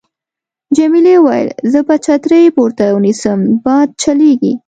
جميلې وويل:: زه به چترۍ پورته ونیسم، باد چلېږي.